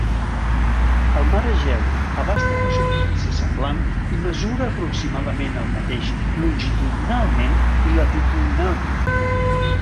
El mar Egeu abasta una superfície semblant i mesura aproximadament el mateix longitudinalment i latitudinalment.